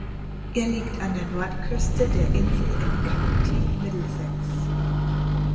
Er liegt an der Nordküste der Insel im County Middlesex.